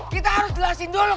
kita harus jelasin dulu